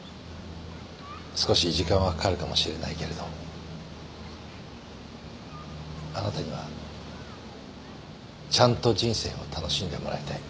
少し時間はかかるかもしれないけれどあなたにはちゃんと人生を楽しんでもらいたい。